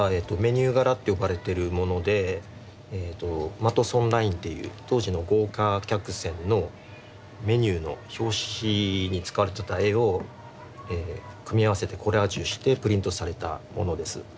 マトソンラインという当時の豪華客船のメニューの表紙に使われてた絵を組み合わせてコラージュしてプリントされたものです。